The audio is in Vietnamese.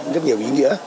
rất nhiều ý nghĩa